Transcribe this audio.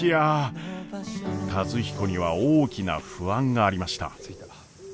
和彦には大きな不安がありました。